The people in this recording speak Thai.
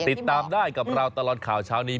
ติดตามได้กับเราตลอดข่าวเช้านี้